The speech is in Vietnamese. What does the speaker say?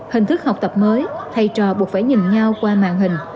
hình thức học tập mới thay trò buộc phải nhìn nhau qua màn hình